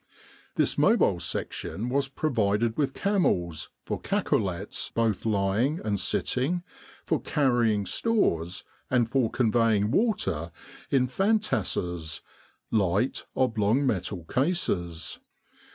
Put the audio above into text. This Mobile Section was provided with camels for cacolets both lying and sitting, for carrying stores, and for conveying water in fantasses light oblong metal cases.